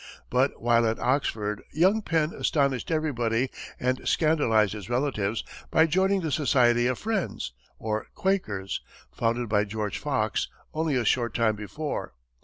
But while at Oxford, young Penn astonished everybody and scandalized his relatives by joining the Society of Friends, or Quakers, founded by George Fox only a short time before.